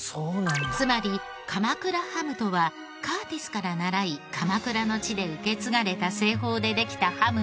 つまり鎌倉ハムとはカーティスから習い鎌倉の地で受け継がれた製法でできたハムの事。